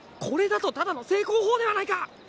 これだとただの正攻法ではないか！